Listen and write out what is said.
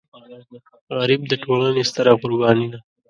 غریب د ټولنې ستره قرباني ده